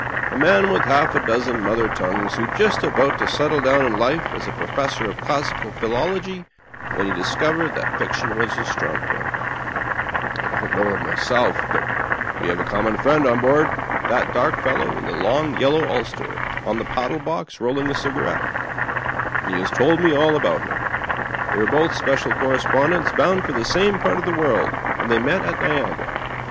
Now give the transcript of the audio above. A man with half a dozen mother tongues, who was just about to settle down in life as a professor of classical philology, when he discovered that fiction was his strong point. I don't know him myself, but we have a common friend on board — ^that dark fellow in the long yellow ulster, on Digitized by VjOOQIC ON BOARD TBE ''BAVARIA:' 9 the paddle box, rolling a cigarette — and he has told me all about him. Th^j were both special correepondents bomid for the same part of the world, and thej met at Niagara.